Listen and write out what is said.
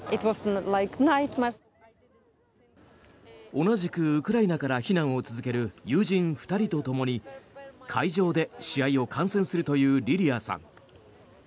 同じくウクライナから避難を続ける友人２人とともに会場で試合を観戦するというリリアさん。